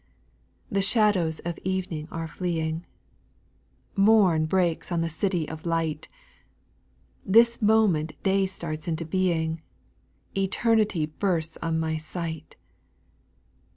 IB. The shadows of evening are fleeing, Mom breaks on the city of light ; This moment day starts into being, Eternity bursts on my sight.